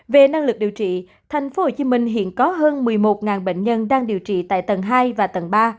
về năng lực điều trị thành phố hồ chí minh hiện có hơn một mươi một bệnh nhân đang điều trị tại tầng hai và tầng ba